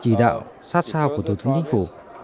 chỉ đạo sát sao của tổng thống chính phủ